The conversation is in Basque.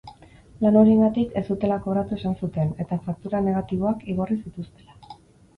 Lan horiengatik ez zutela kobratu esan zuten, eta faktura negatiboak igorri zituztela.